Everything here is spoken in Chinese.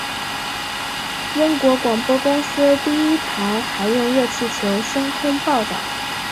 英国广播公司第一台还用热气球升空报导。